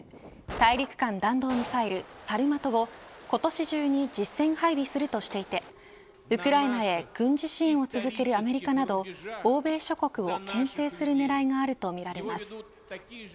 大陸間弾道ミサイルサルマトを今年中に実戦配備するとしていてウクライナへ軍事支援を続けるアメリカなど欧米諸国をけん制するねらいがあるとみられます。